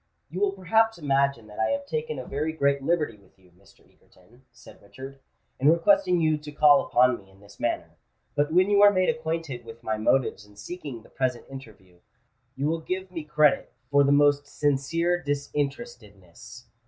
"You will perhaps imagine that I have taken a very great liberty with you, Mr. Egerton," said Richard, "in requesting you to call upon me in this manner; but when you are made acquainted with my motives in seeking the present interview, you will give me credit for the most sincere disinterestedness.